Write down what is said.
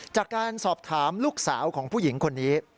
จากการสอบถามลูกสาวของผู้หญิงคนนี้